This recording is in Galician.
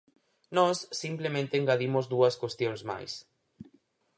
Nós simplemente engadimos dúas cuestións máis.